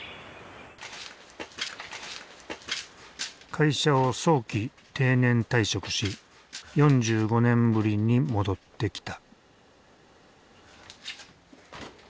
会社を早期定年退職し４５年ぶりに戻ってきた。